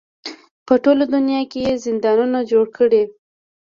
په ټوله دنیا کې یې زندانونه جوړ کړي.